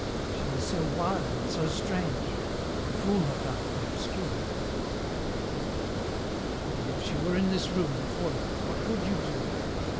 She was so wild, and so strange ; a fool no doubt, but obscure. " And if she were in this room, before you, what would you do